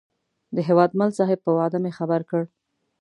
د هیوادمل صاحب په وعده مې خبر کړ.